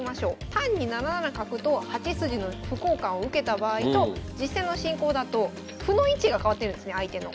単に７七角と８筋の歩交換を受けた場合と実戦の進行だと歩の位置が変わってるんですね相手の。